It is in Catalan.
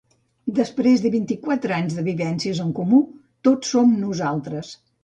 Després de vint-i-quatre anys de vivències en comú, tots som nosaltres.